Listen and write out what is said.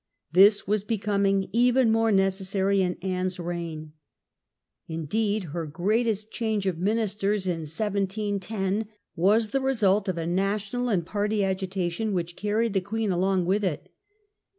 This was becoming even more necessary in Anne's reign. Indeed, her great est change of ministers in 1710 was the result of a national and party agitation which carried the queen along with it.